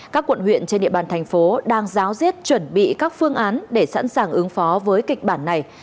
các quận huyện trên địa bàn thành phố đang giáo diết chuẩn bị các phương án để sẵn sàng ứng phó với kịch bản này